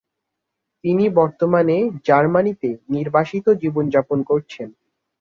তিনি বর্তমানে জার্মানিতে নির্বাসিত জীবনযাপন করছেন।